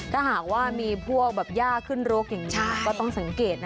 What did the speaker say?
ถ้าหากว่ามีพวกแบบย่าขึ้นรกอย่างนี้ก็ต้องสังเกตนะ